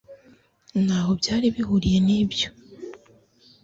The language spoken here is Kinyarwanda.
ntaho byari bihuriye nibyo